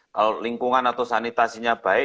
kalau lingkungan atau sanitasinya baik